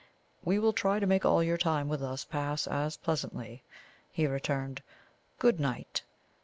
"We will try to make all your time with us pass as pleasantly," he returned. "Good night!